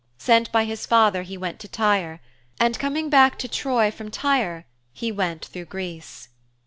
Sent by his father he went to Tyre. And coming back to Troy from Tyre he went through Greece.